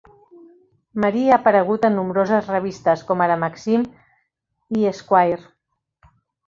Marie ha aparegut en nombroses revistes, com ara Maxim i Esquire.